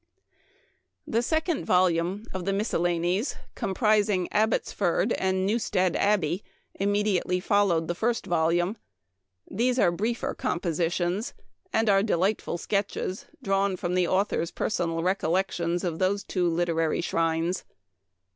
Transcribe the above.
The second volume o\ the Miscellanies, comprising " Abbotsford " and " Newstead Ab bey." immediately followed the first volume. These are briefer compositions, and are delightful sketches, drawn from the author's personal recollections of those two literary shrines.